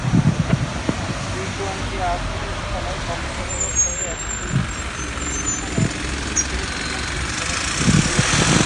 T twenty আসরের খেলা কক্সবাজারে হবে-এজন্যই এখানে ক্রিকেট স্টেডিয়াম তৈরি করা হচ্ছে।